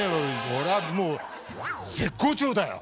俺はもう絶好調だよ！